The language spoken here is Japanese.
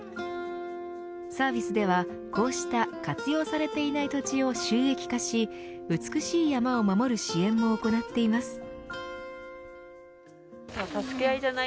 サービスではこうした活用されていない土地を収益化し美しい山を守る支援も行っています。